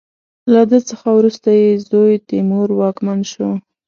له ده څخه وروسته یې زوی تیمور واکمن شو.